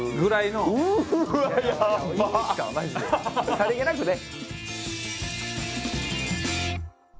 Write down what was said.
さりげなくね。